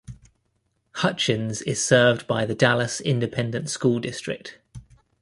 Hutchins is served by the Dallas Independent School District.